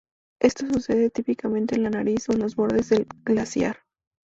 Esto sucede típicamente en la nariz o en los bordes del glaciar.